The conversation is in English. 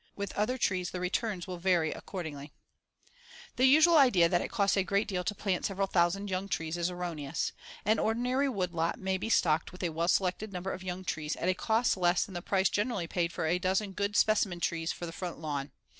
With other trees, the returns will vary accordingly. [Illustration: FIG. 142. A Farm Woodlot.] The usual idea that it costs a great deal to plant several thousand young trees is erroneous. An ordinary woodlot may be stocked with a well selected number of young trees at a cost less than the price generally paid for a dozen good specimen trees for the front lawn.